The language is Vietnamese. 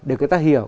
để người ta hiểu